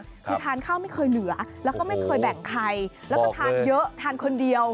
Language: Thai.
คือทานข้าวไม่เคยเหลือแล้วก็ไม่เคยแบ่งใครแล้วก็ทานเยอะทานคนเดียว